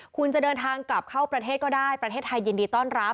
คุณจะเดินทางกลับเข้าประเทศก็ได้ประเทศไทยยินดีต้อนรับ